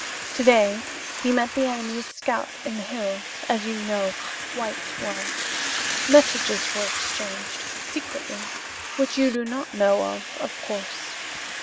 To day he met the enemy's scouts in the hills, as you know quite well. Messages were exchanged, secretly, which you do not know of, of course.